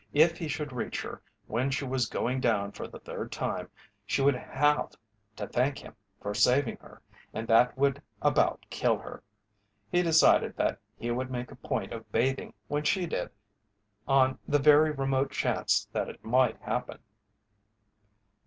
If he should reach her when she was going down for the third time she would have to thank him for saving her and that would about kill her. He decided that he would make a point of bathing when she did, on the very remote chance that it might happen.